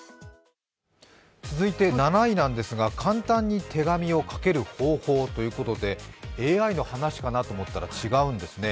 続いて７位なんですが、簡単に手紙を書ける方法ということでＡＩの話かなと思ったら違うんですね。